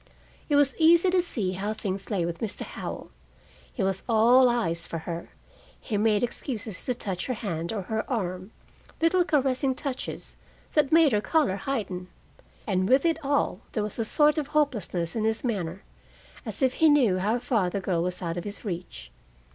It was easy to see how things lay with Mr. Howell. He was all eyes for her: he made excuses to touch her hand or her arm little caressing touches that made her color heighten. And with it all, there was a sort of hopelessness in his manner, as if he knew how far the girl was out of his reach.